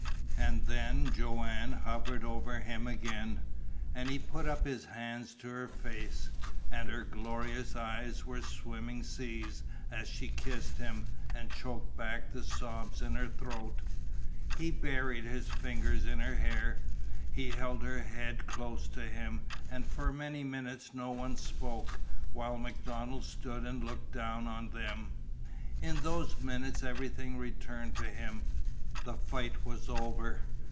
And then Joanne hovered over him again, and he put up his hands to her face, and her glorious eyes were swimming seas as she kissed him and choked back the sobs in her throat. He buried his fingers in her hair. He held her head close to him, and for many minutes no one spoke, while MacDonald stood and looked down on them. In those minutes everything returned to him. The fight was over.